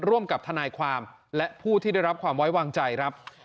ร่วมกับทนายความและผู้ที่ได้รับความไว้วางใจครับ